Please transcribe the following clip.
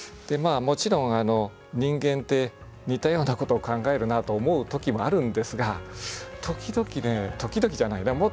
もちろん人間って似たようなことを考えるなと思う時もあるんですが時々ね時々じゃないな